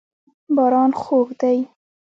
باران خوږ دی.